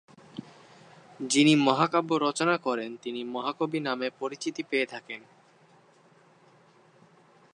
যিনি মহাকাব্য রচনা করেন, তিনি মহাকবি নামে পরিচিতি পেয়ে থাকেন।